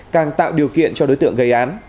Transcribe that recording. càng tạo điều kiện cho đối tượng gây án